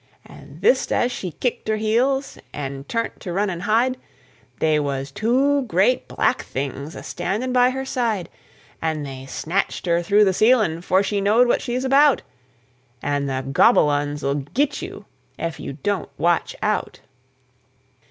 An' thist as she kicked her heels, an' turn't to run an' hide, They was two great big Black Things a standin' by her side, An' they snatched her through the ceilin' 'fore she knowed what she's about! An' the Gobble uns'll git you Ef you Don't Watch Out!